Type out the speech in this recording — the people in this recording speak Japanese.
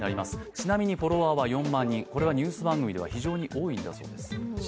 ちなみにフォロワーは４万人これはニュース番組では多いそうです。